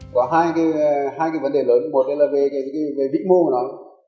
có hai cái vấn đề lớn một là về vĩ mô của nó